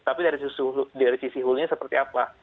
tapi dari sisi hulunya seperti apa